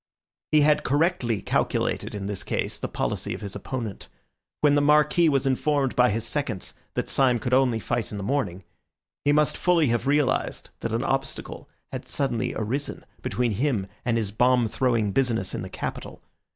He had correctly calculated in this case the policy of his opponent. When the Marquis was informed by his seconds that Syme could only fight in the morning, he must fully have realised that an obstacle had suddenly arisen between him and his bomb throwing business in the capital.